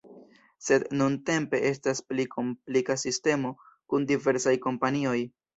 Sed nuntempe estas pli komplika sistemo kun diversaj kompanioj.